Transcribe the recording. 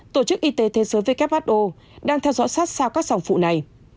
tổ chức y tế thế giới who đang theo dõi sát sao các dòng phụ này